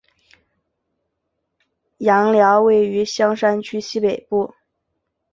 杨寮位于香山区西北部。